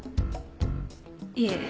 いえ。